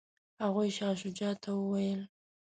هغوی شاه شجاع ته وویل.